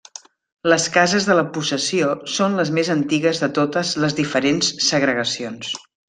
Les cases de la possessió són les més antigues de totes les diferents segregacions.